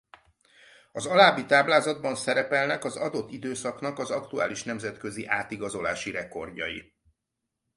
Az alábbi táblázatban szerepelnek az adott időszaknak az aktuális nemzetközi átigazolási rekordjai.